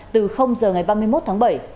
từ giờ ngày ba mươi một tháng bảy